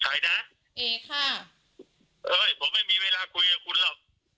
ไหนนะเอค่ะเฮ้ยผมไม่มีเวลาคุยกับหวัง